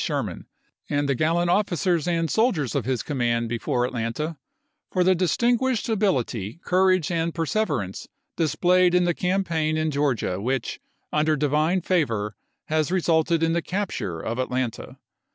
Sherman, and the gallant officers and soldiers of his command be fore Atlanta, for the distinguished ability, courage, and perseverance displayed in the campaign in Georgia which, under Divine favor, has resulted in the capture of Atlanta.